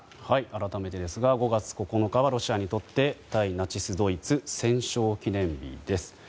改めてですが５月９日はロシアにとって対ナチスドイツ戦勝記念日です。